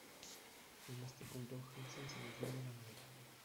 En este punto, Hellsing se desvía de la novela.